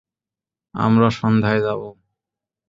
আমরা সন্ধ্যায় যাবো।